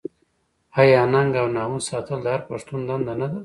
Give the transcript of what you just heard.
آیا ننګ او ناموس ساتل د هر پښتون دنده نه ده؟